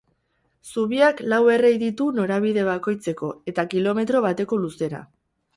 Zubiak lau errei ditu norabide bakoitzeko eta kilometro bateko luzera.